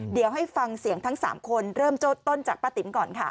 เดี๋ยวให้ฟังเสียงทั้ง๓คนเริ่มโจ้ต้นจากป้าติ๋มก่อนค่ะ